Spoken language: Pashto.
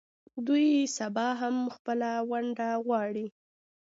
دوی سبا هم خپله ونډه غواړي.